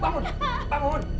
bangun bangun bangun